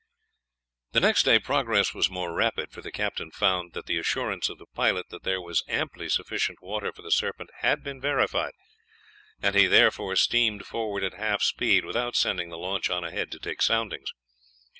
The next day progress was more rapid, for the captain found that the assurance of the pilot that there was amply sufficient water for the Serpent had been verified, and he therefore steamed forward at half speed, without sending the launch on ahead to take soundings.